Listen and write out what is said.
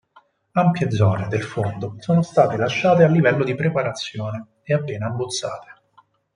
Ampie zone del fondo sono state lasciate a livello di preparazione e appena abbozzate.